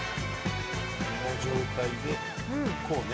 この状態でこうね。